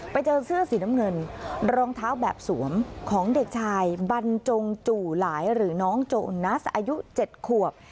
ไปเจอเสื้อสีน้ำเงินรองเท้าแบบสวมของเด็กชายบรรจงจู่หลายหรือน้องโจนัสอายุ๗ขวบ